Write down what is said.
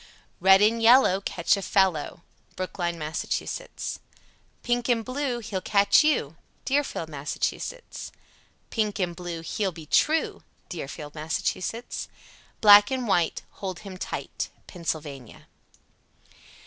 96. Red and yellow, catch a fellow. Brookline, Mass. Pink and blue, he'll catch you. Deerfield, Mass. Pink and blue, he'll be true. Deerfield, Mass. Black and white, hold him tight. _Pennsylvania.